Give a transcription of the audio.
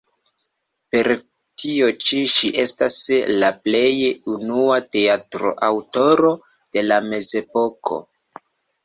Per tio ĉi ŝi estas la plej unua teatro-aŭtoro de la Mezepoko.